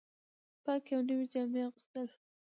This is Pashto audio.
پاکې او نوې جامې اغوستل